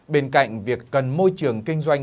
bên cạnh việc cần môi trường kinh doanh